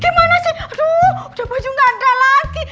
gimana sih aduh udah baju gak ada lagi